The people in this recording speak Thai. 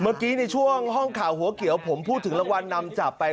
เมื่อกี้ในช่วงห้องข่าวหัวเขียวผมพูดถึงรางวัลนำจับไป